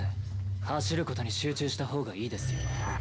走る事に集中した方がいいですよ。